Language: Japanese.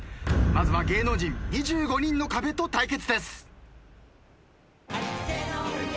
まずは芸能人２５人の壁と対決です。